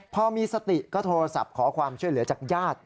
พอมีสติก็โทรศัพท์ขอความช่วยเหลือจากญาติ